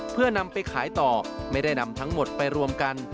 เพื่อนำไปขายต่อไม่ได้นำทั้งหมดไปรวมกัน